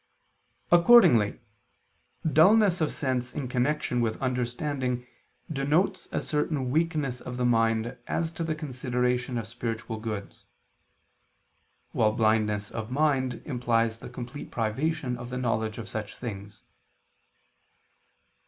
Accordingly dulness of sense in connection with understanding denotes a certain weakness of the mind as to the consideration of spiritual goods; while blindness of mind implies the complete privation of the knowledge of such things.